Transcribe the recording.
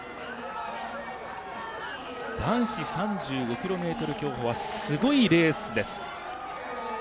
男子３５ｋｍ競歩はすごいレースです。